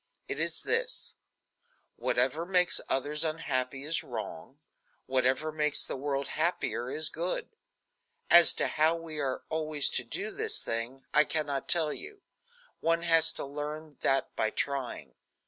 It is this: Whatever makes others unhappy is wrong; whatever makes the world happier is good. As to how we are always to do this, I can not tell you. One has to learn that by trying.